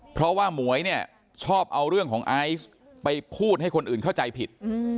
เพราะว่าหมวยเนี่ยชอบเอาเรื่องของไอซ์ไปพูดให้คนอื่นเข้าใจผิด